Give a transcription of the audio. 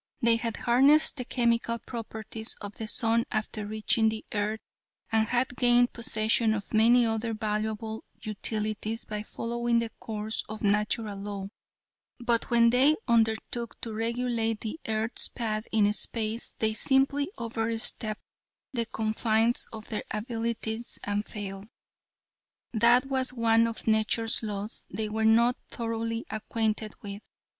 They had harnessed the chemical properties of the sun after reaching the earth, and had gained possession of many other valuable utilities by following the course of Natural Law, but when they undertook to regulate the earth's path in space they simply over stepped the confines of their abilities and failed. That was one of nature's laws they were not thoroughly acquainted with.